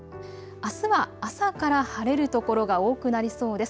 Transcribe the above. あすは朝から晴れる所が多くなりそうです。